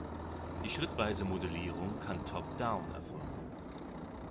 Die schrittweise Modellierung kann top-down erfolgen.